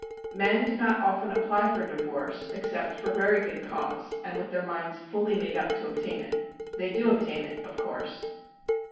Men do not often apply for divorce except for very good cause, and with their minds fully made up to obtain it. They do obtain it, of course.